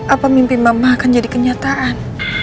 apa mimpi mama akan jadi kenyataan